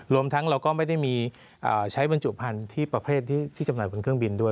รวมทั้งเราก็ไม่ได้มีใช้บรรจุพันธุ์ที่ประเภทที่จำหน่ายบนเครื่องบินด้วย